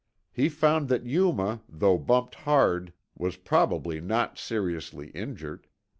He found that Yuma, though bumped hard, was probably not seriously injured.